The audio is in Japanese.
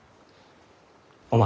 お前。